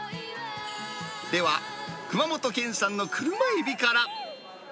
では、熊本県産のクルマエビから。